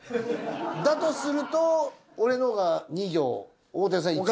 だとすると俺のが２行大竹さん１行。